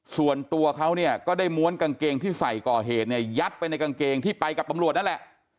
ส่วนตัวเขาเนี่ยก็ได้ม้วนกางเกงที่ใส่ก่อเหตุเนี่ยยัดไปในกางเกงที่ไปกับตำรวจนั่นแหละ